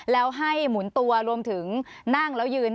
แล้วให้หมุนตัวรวมถึงนั่งแล้วยืน